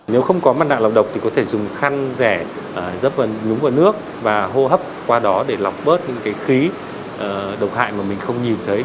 nếu không có mặt nạ lọc độc thì có thể dùng khăn rẻ dấp vào nhúng vào nước và hô hấp qua đó để lọc bớt những khí độc hại mà mình không nhìn thấy